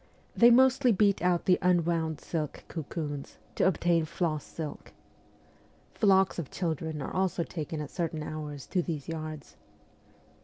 They mostly beat out the unwound silk cocoons to obtain floss silk. Flocks of children are also taken at certain hours to these yards.